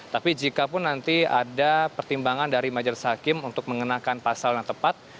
tapi jikapun nanti ada pertimbangan dari majelis hakim untuk mengenakan pasal yang tepat